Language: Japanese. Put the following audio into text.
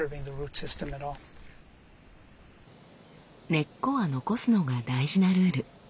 根っこは残すのが大事なルール。